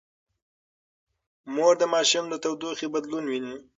مور د ماشوم د تودوخې بدلون ويني.